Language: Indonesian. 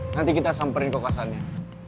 nanti kita samperin kekuasannya